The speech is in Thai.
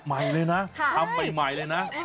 ใหม่เลยนะทำใหม่เลยนะ